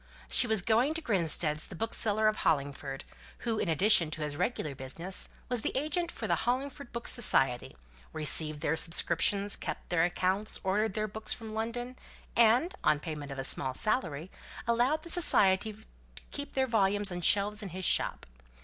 She was going to Grinstead's, the bookseller of Hollingford; who, in addition to his regular business, was the agent for the Hollingford Book Society, received their subscriptions, kept their accounts, ordered their books from London, and, on payment of a small salary, allowed the Society to keep their volumes on shelves in his shop.